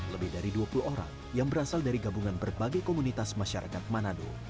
lebih dari dua puluh orang yang berasal dari gabungan berbagai komunitas masyarakat manado